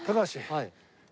はい。